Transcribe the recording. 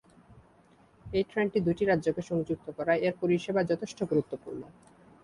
এই ট্রেনটি দুটি রাজ্যকে সংযুক্ত করায় এর পরিসেবা যথেষ্ট গুরুত্বপূর্ণ।